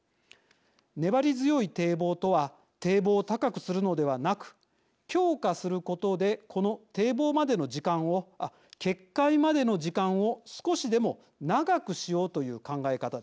粘り強い堤防とは堤防を高くするのではなく強化することでこの決壊までの時間を少しでも長くしようという考え方です。